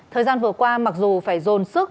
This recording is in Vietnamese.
thời gian vừa qua mặc dù phải dồn sức